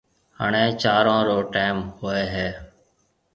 هڻيَ چارون رو ٽيم هوئي هيَ۔